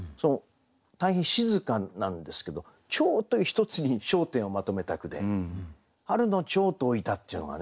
大変静かなんですけど蝶という１つに焦点をまとめた句で「春の蝶」と置いたっていうのがね。